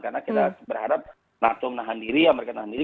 karena kita berharap nato menahan diri amerika menahan diri